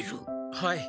はい。